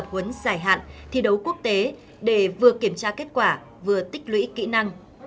tập huấn giải hạn thi đấu quốc tế để vừa kiểm tra kết quả vừa tích lũy kỹ năng